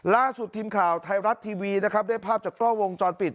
ล่าสุดทีมข่าวไทยรัฐทีวีนะครับได้ภาพจากกล้องวงจรปิด